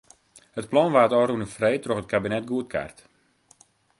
It plan waard ôfrûne freed troch it kabinet goedkard.